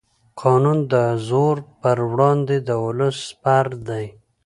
قانون د زور پر وړاندې د ولس سپر دی